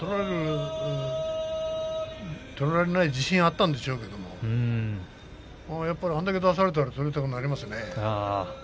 取られない自信があったんでしょうけどあれだけ出されたら取りたくなりますよね。